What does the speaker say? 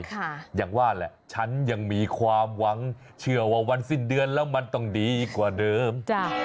อย่างว่าแหละฉันยังมีความหวังเชื่อว่าวันสิ้นเดือนแล้วมันต้องดีกว่าเดิม